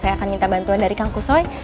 saya akan minta bantuan dari kang kusoi